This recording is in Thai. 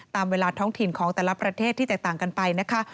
ตามเวลาท้องถิ่นของแต่ละประเทศที่แตกต่างกันไปนะคะ